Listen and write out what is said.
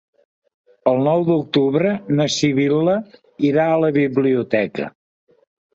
El nou d'octubre na Sibil·la irà a la biblioteca.